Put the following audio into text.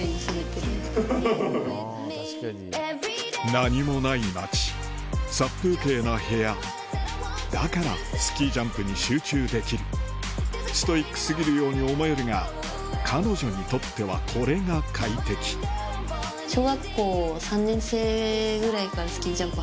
何もない街殺風景な部屋だからスキージャンプに集中できるストイック過ぎるように思えるが彼女にとってはこれが快適何かもう。